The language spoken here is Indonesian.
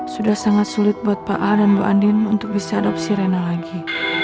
sudah sangat sulit buat pak a dan bu andin untuk bisa adopsi rena lagi